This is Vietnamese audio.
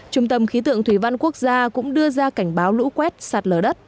trung tâm khí tượng thủy văn quốc gia cũng đưa ra cảnh báo lũ quét sạt lở đất